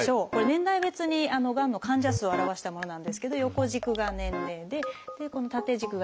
年代別にがんの患者数を表したものなんですけど横軸が年齢で縦軸が人数ですね。